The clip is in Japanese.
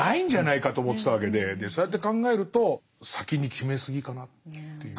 そうやって考えると先に決めすぎかなっていう。